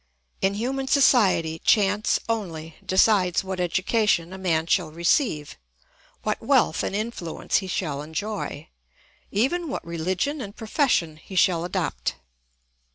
In human society chance only decides what education a man shall receive, what wealth and influence he shall enjoy, even what religion and profession he shall adopt.